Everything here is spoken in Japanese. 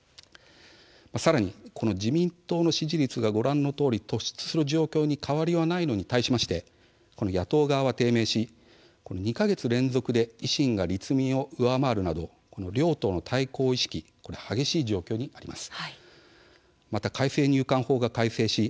さらに自民党の支持率がご覧のとおり、突出する状況に変わりはないのに対して野党側は低迷し、２か月連続で維新が立民を上回るなど両党の対抗意識激しい状況にあります。